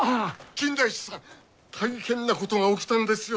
金田一さん大変なことが起きたんですよ